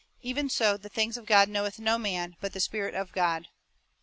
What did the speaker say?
even so the things of God knoweth no man, but •the Spirit of God."